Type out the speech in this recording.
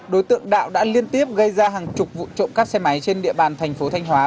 đối tượng đạo đã liên tiếp gây ra hàng chục vụ trộm cắp xe máy trên địa bàn thành phố thanh hóa